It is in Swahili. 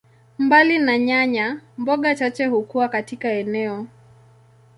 Mbali na nyanya, mboga chache hukua katika eneo.